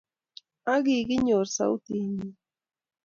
ak kokinyor sautit nyi